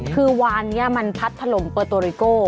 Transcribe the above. คือวานนี้มันพัดถล่มเปอร์โตริโก้